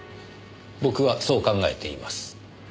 僕はそう考えています。